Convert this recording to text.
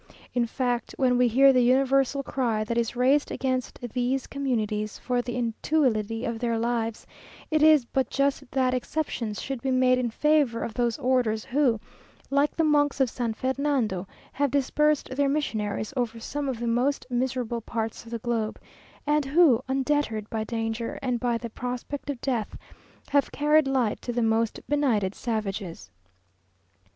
In fact, when we hear the universal cry that is raised against these communities for the inutility of their lives, it is but just that exceptions should be made in favour of those orders, who, like the monks of San Fernando, have dispersed their missionaries over some of the most miserable parts of the globe, and who, undeterred by danger, and by the prospect of death, have carried light to the most benighted savages.